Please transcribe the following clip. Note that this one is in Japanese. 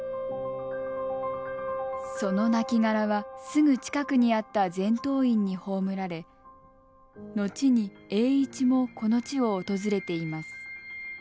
その亡骸はすぐ近くにあった全洞院に葬られ後に栄一もこの地を訪れています。